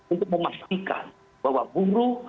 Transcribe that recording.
untuk memastikan bahwa buruh